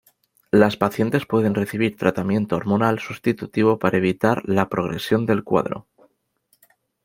Las pacientes pueden recibir tratamiento hormonal sustitutivo para evitar la progresión del cuadro.